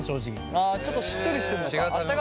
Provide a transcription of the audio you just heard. あちょっとしっとりしてるのか。